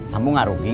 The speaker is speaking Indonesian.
kamu nggak rugi